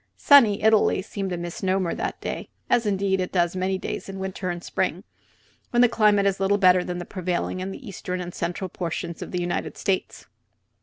"Sunny Italy" seemed a misnomer that day, as indeed it does many days in winter and spring, when the climate is little better than that prevailing in the eastern and central portions of the United States.